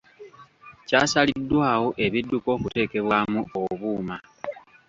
Kyasaliddwawo ebidduka okuteekebwamu obuuma.